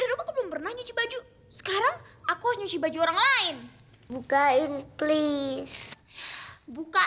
di rumah belum pernah cuci baju sekarang aku nyusui baju orang lain buka ini please buka